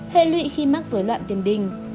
hệ lụy khi mắc dối loạn tiền đình